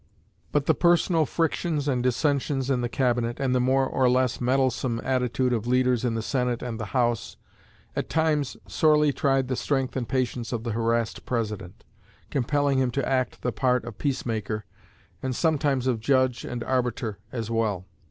But the personal frictions and dissensions in the Cabinet, and the more or less meddlesome attitude of leaders in the Senate and the House, at times sorely tried the strength and patience of the harassed President, compelling him to act the part of peacemaker, and sometimes of judge and arbiter as well.